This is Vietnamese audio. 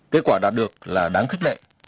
kết quả đạt được là đáng khích lệ